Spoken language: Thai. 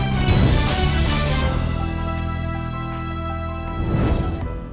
โปรดติดตามตอนต่อไป